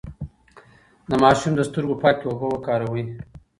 د ماشوم د سترګو پاکې اوبه وکاروئ.